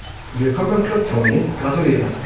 Willkommen im Club, Tony, gratuliere.